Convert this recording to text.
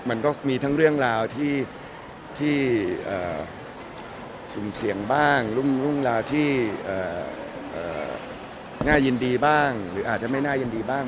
มันก็มีทั้งเรื่องราวที่สุ่มเสี่ยงบ้างรุ่งราวที่น่ายินดีบ้างหรืออาจจะไม่น่ายินดีบ้าง